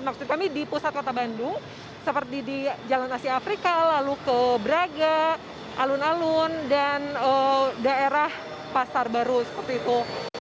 maksud kami di pusat kota bandung seperti di jalan asia afrika lalu ke braga alun alun dan daerah pasar baru seperti itu